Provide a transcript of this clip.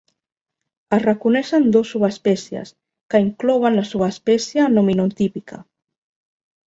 Es reconeixen dos subespècies, que inclouen la subespècie nominotípica.